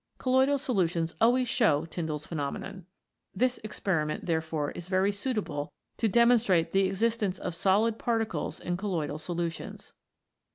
Colloidal solutions always show TyndalTs Phenomenon. This experiment, 24 COLLOIDS IN PROTOPLASM therefore, is very suitable to demonstrate the existence of solid particles in colloidal solutions.